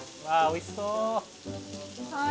おいしそう。